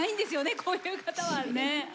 こういう方はね。